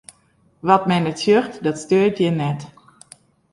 Wat men net sjocht, dat steurt jin net.